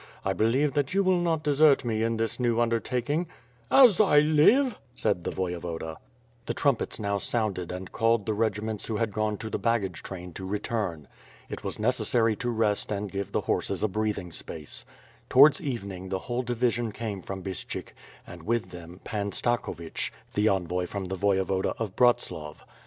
I believe that you will not desert me in this new undertaking." "As I live!" said the Voyevoda, The trumpets now sounded and called to the regiments who had gone to the baggage train to return. It was necessary to rest and give the horses a breathing space. Towards even ing, the whole division came from Bystshyk and, with them, Pan Stakhovich, the envoy from the Voyevoda of Bratslav.